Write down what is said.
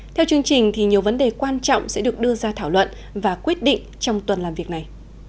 theo chương trình thì nhiều vấn đề quan trọng sẽ được đưa ra thảo luận và quyết định trong tuần làm việc này